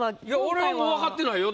俺はもう分かってないよ